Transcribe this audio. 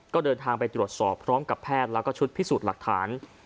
ก็เดินทางไปตรวจสอบพร้อมกับแพทย์แล้วก็ชุดพิสูจน์หลักฐาน